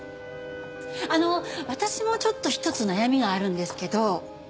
あの私もちょっと一つ悩みがあるんですけど。